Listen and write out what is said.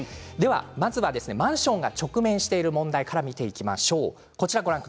まずはマンションが直面している問題から見ていきましょう。